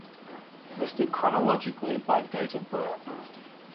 Listed chronologically by date of birth.